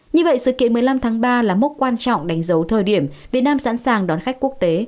như vậy sự kiện một mươi năm tháng ba là mốc quan trọng đánh dấu thời điểm việt nam sẵn sàng đón khách quốc tế